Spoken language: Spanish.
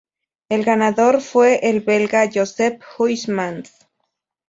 El ganador fue el belga Joseph Huysmans.